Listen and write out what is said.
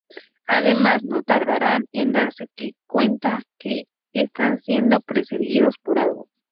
Además, no tardarán en darse que cuenta que están siendo perseguidos por algo.